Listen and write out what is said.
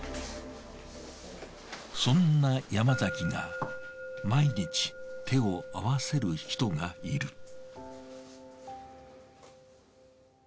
そんな山崎が毎日手を合わせる人がいる。